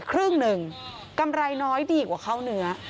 ครึ่งหนึ่งกำไรน้อยดีกว่าข้าวเนื้อ